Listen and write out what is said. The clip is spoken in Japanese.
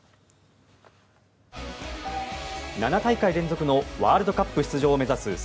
７大会連続のワールドカップ出場を目指す